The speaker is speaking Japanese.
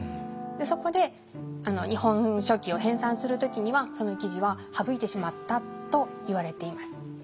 そこで「日本書紀」を編さんする時にはその記事は省いてしまったといわれています。